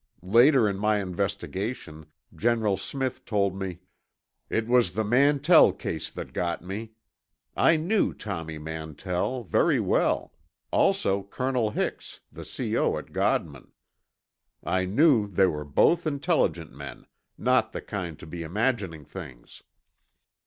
Later in my investigation, General Smith told me: "It was the Mantell case that got me. I knew Tommy Mantell. very well—also Colonel Hix, the C.O. at Godman. I knew they were both intelligent men—not the kind to be imagining things."